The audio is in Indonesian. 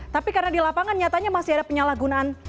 tapi karena di lapangan nyatanya masih ada penyalahgunaan